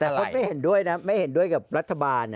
แต่คนไม่เห็นด้วยนะไม่เห็นด้วยกับรัฐบาล